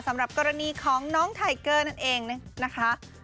สำหรับกรณีของน้องไทเกอร์นั่นเองนะคะ